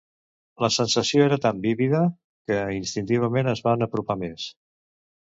La sensació era tan vívida que instintivament es van apropar més.